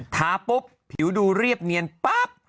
ทาปุ๊บผิวดูเรียบเนียนปั๊บ